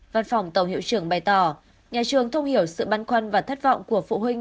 văn phòng tàu hiệu trưởng bày tỏ nhà trường thông hiểu sự băn khoăn và thất vọng của phụ huynh